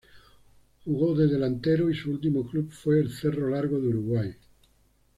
Jugó de Delantero y su último club fue el Cerro Largo de Uruguay.